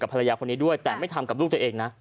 ภรรยาคนนี้ด้วยแต่ไม่ทำกับลูกตัวเองนะ